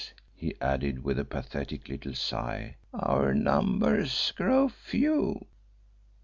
he added with a pathetic little sigh, "our numbers grow few."